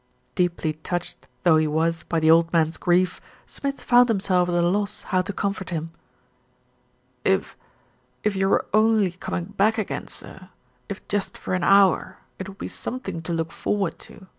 Deeply touched though he was by the old man's grief, Smith found himself at a loss how to comfort him. "If if you were only coming back again, sir, if just for an hour, it would be something to look forward to.